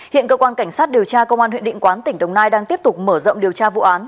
hiện cơ quan cảnh sát điều tra công an huyện định quán tỉnh đồng nai đang tiếp tục mở rộng điều tra vụ án